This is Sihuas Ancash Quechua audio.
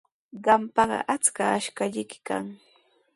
Qampaqa achka ashkallayki kan.